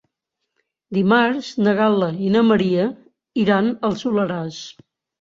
Dimarts na Gal·la i na Maria iran al Soleràs.